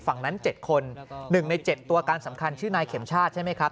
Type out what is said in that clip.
ฝั่งนั้น๗คน๑ใน๗ตัวการสำคัญชื่อนายเข็มชาติใช่ไหมครับ